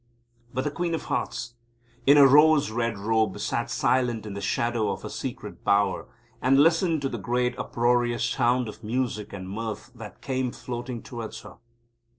But the Queen of Hearts, in a rose red robe, sat silent in the shadow of her secret bower, and listened to the great uproarious sound of music and mirth, that came floating towards her.